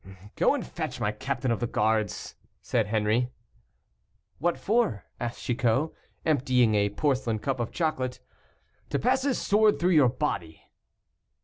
"Go and fetch my captain of the guards," said Henri. "What for?" asked Chicot, emptying a porcelain cup of chocolate. "To pass his sword through your body."